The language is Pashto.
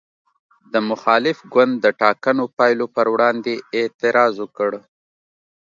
د مخالف ګوند د ټاکنو پایلو پر وړاندې اعتراض وکړ.